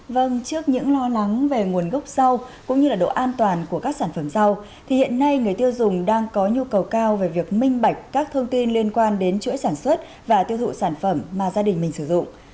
vâng trước những lo lắng về nguồn gốc rau cũng như độ an toàn của các sản phẩm rau thì hiện nay người tiêu dùng đang có nhu cầu cao về việc minh bạch các thông tin liên quan đến chuỗi sản xuất và tiêu thụ sản phẩm mà gia đình mình sử dụng